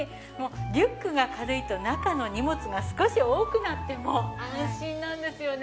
リュックが軽いと中の荷物が少し多くなっても安心なんですよね。